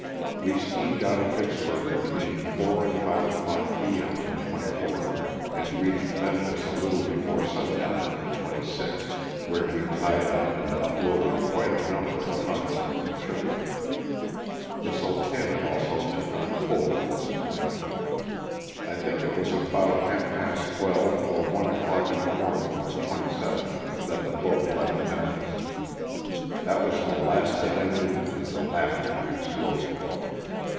We steamed out of Vicksburg between four and five o'clock p M, of the 24th, and reached Memphis a little before sundown of the 26th, where we tied up and unloaded quite a number of hogsheads of sugar. The *' Sultana " also took on coal at this point. I think it was about half past twelve or one o'clock in the morning of the 27th that the boat left Memphis. That was the last that I knew until after the explosion.